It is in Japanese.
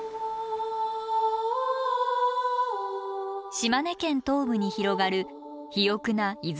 島根県東部に広がる肥沃な出雲平野。